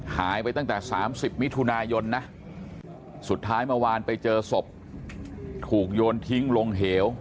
หายไปตั้งแต่๓๐มิถุนายนนะสุดท้ายเมื่อวานไปเจอศพถูกโยนทิ้งลงเหว